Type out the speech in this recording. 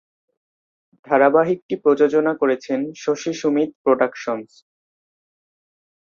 ধারাবাহিকটি প্রযোজনা করেছেন শশী সুমিত প্রোডাকশনস।